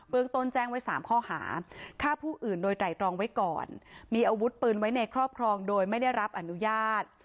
เมืองต้นแจ้งไว้๓ข้อหาฆ่าผู้อื่นโดยไตรตรองไว้ก่อนมีอาวุธปืนไว้ในครอบครองโดยไม่ได้รับอนุญาต